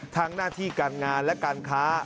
หน้าที่การงานและการค้า